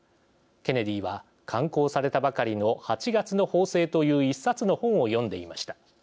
ケネディは、刊行されたばかりの「八月の砲声」という１冊の本を読んでいました。